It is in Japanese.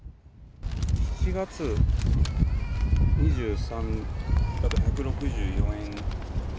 ７月２３だと、１６４円。